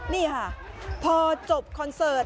นี่ค่ะพอจบคอนเสิร์ต